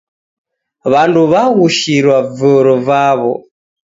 W'andu wagushirwa vyoro vaw'o.